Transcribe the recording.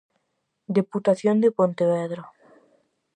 Deputación de Pontevedra.